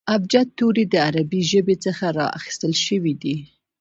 ابجد توري د عربي ژبي څخه را اخستل سوي دي.